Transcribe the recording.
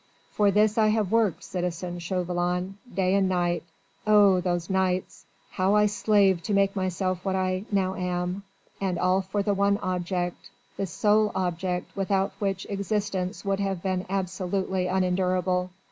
For this I have worked, citizen Chauvelin day and night oh! those nights! how I have slaved to make myself what I now am! And all for the one object the sole object without which existence would have been absolutely unendurable.